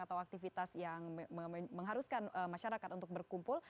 atau aktivitas yang mengharuskan masyarakat untuk berkumpul